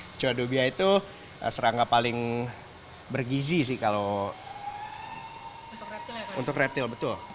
kecoa dubia itu serangga paling bergizi sih kalau untuk reptil